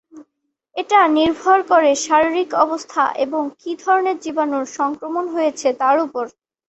এটা নির্ভর করে শারীরিক অবস্থা এবং কি ধরনের জীবাণুর সংক্রমণ হয়েছে তার উপর।